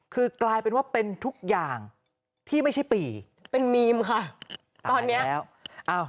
คือกลายเป็นว่าเป็นทุกอย่างที่ไม่ใช่ปีเป็นมีมค่ะตอนเนี้ยแล้ว